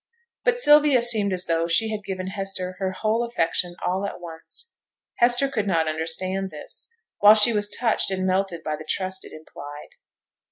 But Sylvia seemed as though she had given Hester her whole affection all at once. Hester could not understand this, while she was touched and melted by the trust it implied.